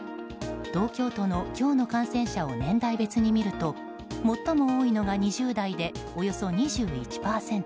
東京都の今日の感染者を年代別に見ると最も多いのが２０代でおよそ２１％。